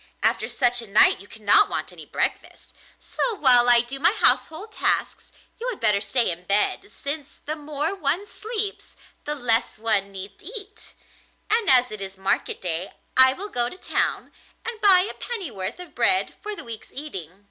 After such a night you cannot want any breakfast; so while I do my household tasks you had better stay in bed, since the more one sleeps the less one need eat; and as it is market day I will go to town and buy a pennyworth of bread for the week's eating.